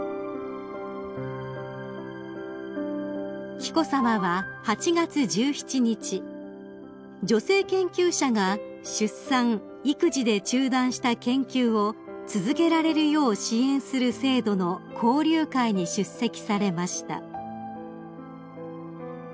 ［紀子さまは８月１７日女性研究者が出産・育児で中断した研究を続けられるよう支援する制度の交流会に出席されました］